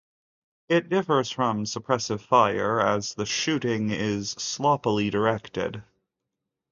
It differs from suppressive fire as the shooting is sloppily directed.